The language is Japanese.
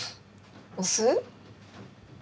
お酢？